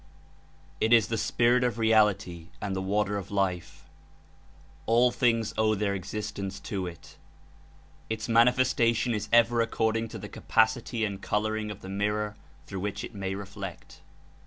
It is the Spirit of Reality and the Water of Life. All things owe their existence to it. It^ manifestation is ever according to the capacity and coloring of the mirror through which it may reflect.